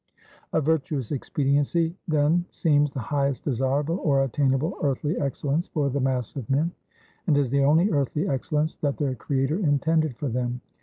"A virtuous expediency, then, seems the highest desirable or attainable earthly excellence for the mass of men, and is the only earthly excellence that their Creator intended for them.